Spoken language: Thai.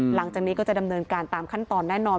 หลังจากนี้ก็จะดำเนินการตามขั้นตอนแน่นอน